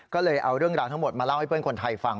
ก็เลยเอาเรื่องราวทั้งหมดมาเล่าให้เพื่อนคนไทยฟัง